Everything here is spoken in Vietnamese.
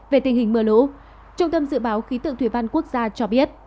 về tình hình mưa lũ trung tâm dự báo khí tượng thủy văn quốc gia cho biết